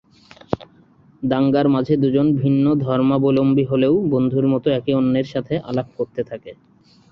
দাঙ্গার মাঝে দুজন ভিন্ন ধর্মাবলম্বী হলেও বন্ধুর মত একে অন্যের সাথে আলাপ করতে থাকে।